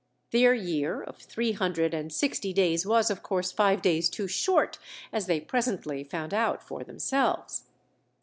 Their year of three hundred and sixty days was, of course, five days too short, as they presently found out for themselves.